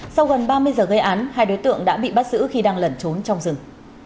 sau gần ba mươi giờ gây án hai đối tượng đã bị bắt giữ khi đang lẩn trốn trong rừng